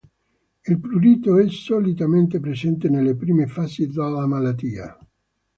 Il prurito è solitamente presente nelle prime fasi della malattia.